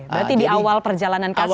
berarti di awal perjalanan kasus